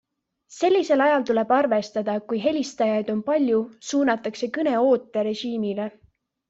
Sellisel ajal tuleb arvestada, et kui helistajaid on palju, suunatakse kõne ooterežiimile.